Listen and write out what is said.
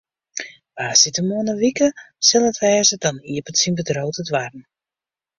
Woansdeitemoarn in wike sil it wêze, dan iepenet syn bedriuw de doarren.